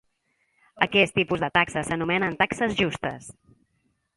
Aquest tipus de taxes s'anomenen Taxes Justes.